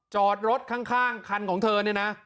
จอดรถข้างคันของเธอเนี่ยนะ